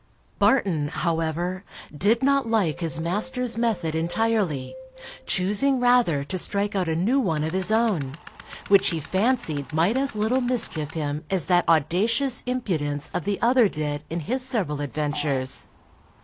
Barton, however, did not like his master's method entirely, choosing rather to strike out a new one of his own, which he fancied might as little mischief him as that audacious impudence of the other did in his several adventures.